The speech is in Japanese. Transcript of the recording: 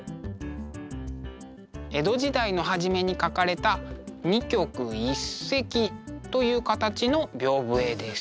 江戸時代の初めに描かれた二曲一隻という形の屏風絵です。